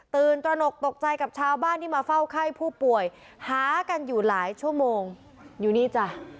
ตระหนกตกใจกับชาวบ้านที่มาเฝ้าไข้ผู้ป่วยหากันอยู่หลายชั่วโมงอยู่นี่จ้ะ